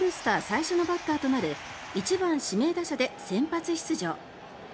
最初のバッターとなる１番指名打者で先発出場。